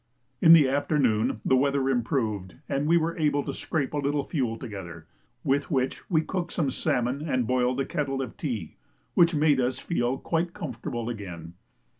In the afternoon the weather improved, and we were able to scrape a little fuel together, with which we cooked some salmon and boiled a kettle of tea, which made us feel quite comfortable again.